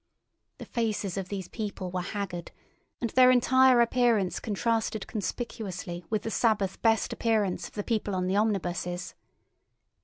The faces of these people were haggard, and their entire appearance contrasted conspicuously with the Sabbath best appearance of the people on the omnibuses.